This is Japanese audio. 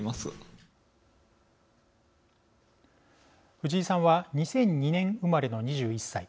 藤井さんは２００２年生まれの２１歳。